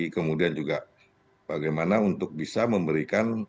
kemudian juga bagaimana untuk bisa memberikan